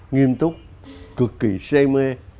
nghiêm túc cực kỳ say mê